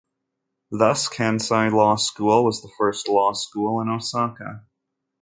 Thus Kansai Law School was the first law school in Osaka.